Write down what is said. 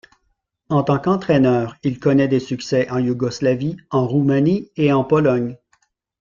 En tant qu'entraîneur, il connaît des succès en Yougoslavie, en Roumanie et en Pologne.